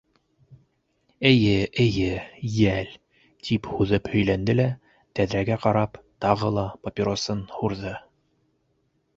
— Эйе, эйе, йәл, — тип һуҙып һөйләнде лә, тәҙрәгә ҡарап, тағы ла папиросын һурҙы.